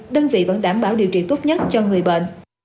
đơn vị vẫn đảm bảo điều trị tốt nhất cho người bệnh